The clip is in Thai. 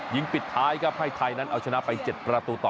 ปิดท้ายครับให้ไทยนั้นเอาชนะไป๗ประตูต่อ